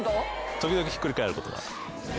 時々ひっくり返ることが。